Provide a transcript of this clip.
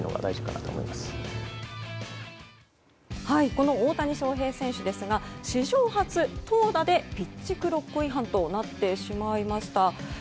この大谷翔平選手ですが史上初投打でピッチクロック違反となってしまいました。